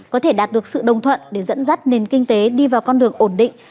có thể đạt được sự đồng thuận để dẫn dắt nền kinh tế đi vào con đường ổn định